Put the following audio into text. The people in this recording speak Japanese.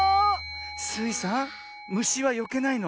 スイさんむしはよけないの。